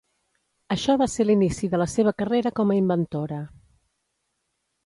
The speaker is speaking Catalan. Això va ser l'inici de la seva carrera com a inventora.